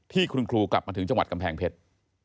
ที่คุณครูกลับมาถึงจังหวัดกำแพงเพชร